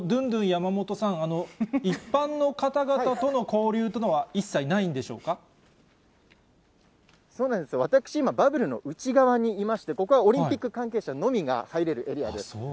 ドゥン山本さん、一般の方々との交流っていうのは、一切なそうなんですよ、私、今、バブルの内側にいまして、ここはオリンピック関係者のみが入れるエリアです。